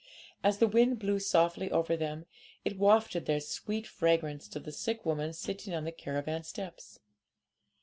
As the wind blew softly over them, it wafted their sweet fragrance to the sick woman sitting on the caravan steps.